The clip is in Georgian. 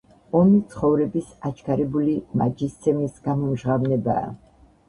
ომი ცხოვრების აჩქარებული მაჯისცემის გამომჟღავნებაა.